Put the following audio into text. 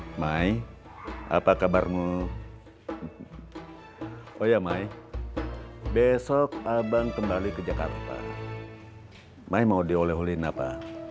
mai apa kabarmu oh ya mai besok abang kembali ke jakarta mai mau dioleh oleh oleh apa